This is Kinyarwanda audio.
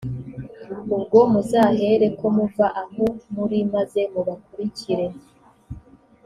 ubwo muzahereko muva aho muri, maze mubakurikire;